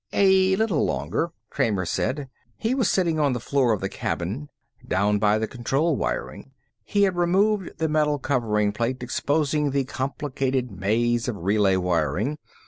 "A little longer," Kramer said. He was sitting on the floor of the cabin, down by the control wiring. He had removed the metal covering plate, exposing the complicated maze of relay wiring.